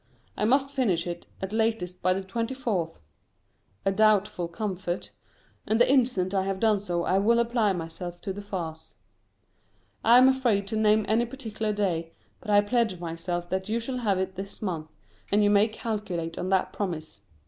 I must finish it, at latest, by the 24th (a doubtful comfort!), and the instant I have done so I will apply myself to the farce. I am afraid to name any particular day, but I pledge myself that you shall have it this month, and you may calculate on that promise.